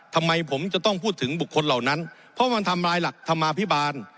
ทำไมผมจะต้องพูดถึงบุคคลเหล่านั้นเพราะมันทำลายหลักธรรมาภิบาล